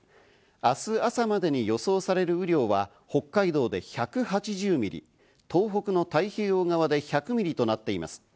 明日朝までに予想される雨量は、北海道で１８０ミリ、東北の太平洋側で１００ミリとなっています。